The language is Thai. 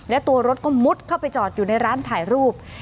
และตัวรถก็มุดเข้าไปจอดอยู่ในร้านถ่ายรูป